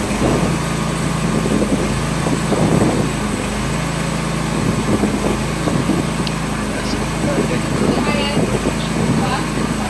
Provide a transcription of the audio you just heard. Baada ya serikali ya kikoloni kuweka mkazo na sheria kali